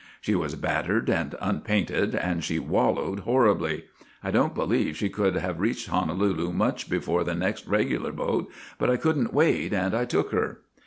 ' She was battered and unpainted, and she wal lowed horribly. I don't believe she could have reached Honolulu much before the next regular boat, but I could n't wait, and I took her.